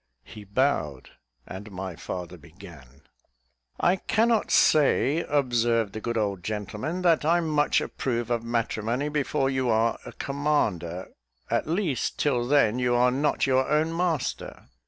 He bowed, and my father began "I cannot say," observed the good old gentleman, "that I much approve of matrimony before you are a commander. At least, till then, you are not your own master."